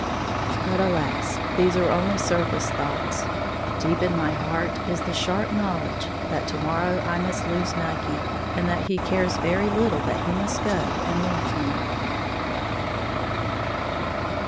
But alas, these are only surface thoughts, deep in my heart is the sharp knowledge that to morrow I must lose Nucky, and that he cares very little that he must go and leave me.